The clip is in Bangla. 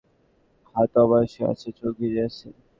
গল্প করতে করতে মাহবুব সাহেবের হাত অবশ হয়ে আসে, চোখ ভিজে আসে।